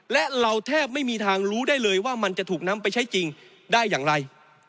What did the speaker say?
และเราแทบไม่มีทางรู้ได้เลยว่ามันจะถูกนำไปใช้จริงได้อย่างไร